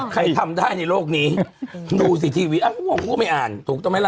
ทำได้ในโลกนี้ดูสิทีวีอ่ะก็งงกูก็ไม่อ่านถูกต้องไหมล่ะ